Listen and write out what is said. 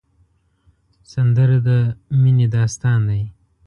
سندره د مینې داستان دی